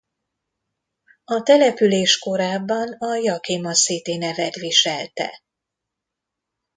A település korábban a Yakima City nevet viselte.